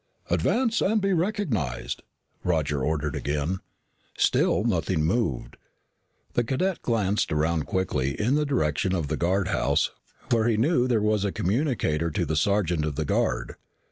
"Advance and be recognized," Roger ordered again. Still nothing moved. The cadet glanced around quickly in the direction of the guardhouse where he knew there was a communicator to the sergeant of the guard.